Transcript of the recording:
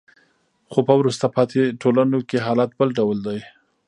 خو په وروسته پاتې ټولنو کې حالت بل ډول دی.